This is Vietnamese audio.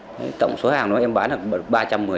thế tổng số hàng đó em bán là ba trăm linh